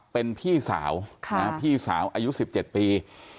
เป็นพี่สาวพี่สาวอายุ๑๗ปี